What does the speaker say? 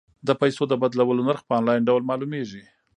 د پيسو د بدلولو نرخ په انلاین ډول معلومیږي.